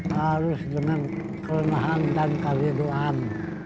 harus dengan kerenahan dan keleluhan